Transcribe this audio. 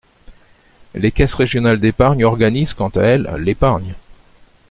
Les caisses régionales d’épargne organisent, quant à elles, l’épargne.